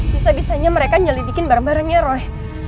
bisa bisanya mereka nyelidikin bareng barengnya roy